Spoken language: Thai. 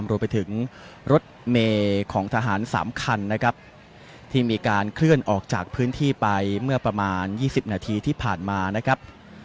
รวมไปถึงรถเมย์ของทหาร๓คันนะครับที่มีการเคลื่อนออกจากพื้นที่ไปเมื่อประมาณ๒๐นาทีที่ผ่านมานะครับ